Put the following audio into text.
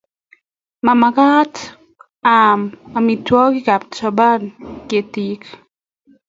ma mekat aame amitwogikab Japan ketik